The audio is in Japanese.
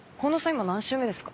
今何周目ですか？